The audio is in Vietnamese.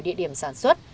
địa điểm sản xuất